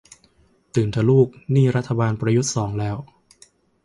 ตื่นเถอะลูกนี่รัฐบาลประยุทธ์สองแล้ว